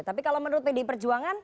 tapi kalau menurut pdi perjuangan